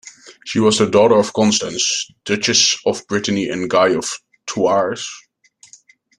She was the daughter of Constance, Duchess of Brittany and Guy of Thouars.